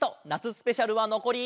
スペシャルはのこり。